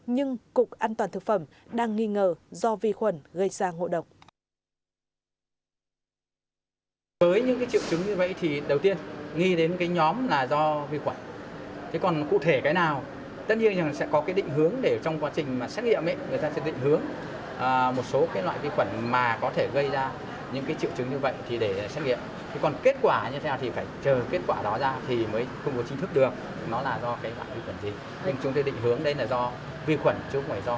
nhưng cục an toàn thực phẩm đang nghi ngờ do vi khuẩn gây ra ngộ độc